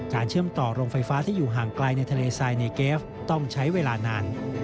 เชื่อมต่อโรงไฟฟ้าที่อยู่ห่างไกลในทะเลทรายในเกฟต้องใช้เวลานาน